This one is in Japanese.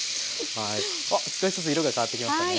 あっ少しずつ色が変わってきましたね。